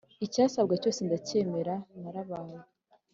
icyasabwa cyose ndacyemera narabaye